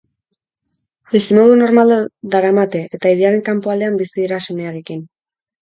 Bizimodu normala daramate eta hiriaren kanpoaldean bizi dira semearekin.